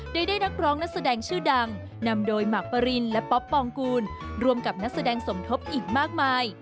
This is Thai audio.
โดยได้นักร้องนักแสดงชื่อดังนำโดยหมากปรินและป๊อปปองกูลรวมกับนักแสดงสมทบอีกมากมาย